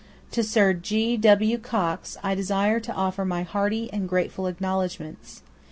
to Sir G. W. Cox, I desire to offer my hearty and grateful acknowledgments.